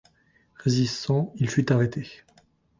Résistant, il fut arrêté.